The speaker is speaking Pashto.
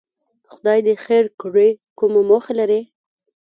خدای دې خیر کړي، کومه موخه لري؟